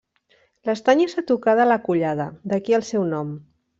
L'Estany és a tocar de la Collada, d'aquí el seu nom.